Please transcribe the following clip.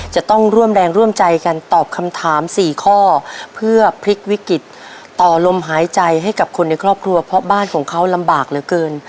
จะต้องร่วมแรงร่วมใจกันตอบคำถามสี่ข้อเพื่อพลิกวิกฤตต่อลมหายใจให้กับคนในครอบครัวเพราะบ้านของเขาลำบากเหลือเกิน